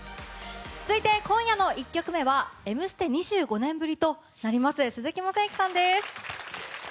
続いて、今夜の１曲目は「Ｍステ」２５年ぶりとなります鈴木雅之さんです。